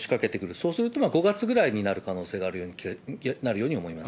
そうすると、５月ぐらいになる可能性があるように思います。